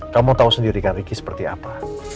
kamu tahu sendiri kan riki seperti apa